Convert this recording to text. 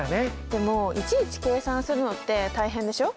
でもいちいち計算するのって大変でしょ。